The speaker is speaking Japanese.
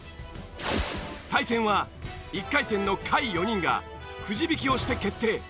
対戦は１回戦の下位４人がくじ引きをして決定。